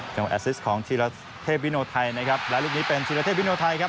ชิลาเทพวิโนไทร้านรุ่นนี้เป็นชิลาเทพวิโนไทครับ